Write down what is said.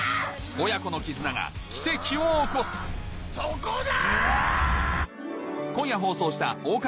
親子の絆が奇跡を起こすそこだ‼